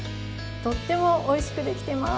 とってもおいしくできてます。